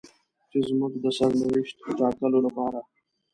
چې زموږ د سرنوشت ټاکلو لپاره.